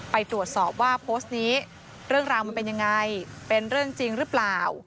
ไปตรวจสอบว่าโพสต์นี้เรื่องราวมันเป็นยังไงเป็นเรื่องจริงหรือเปล่า